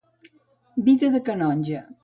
Vida de canonge.